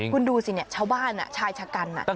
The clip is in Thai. คุณดูสิครับชาวบ้านชายชะกันน่ะ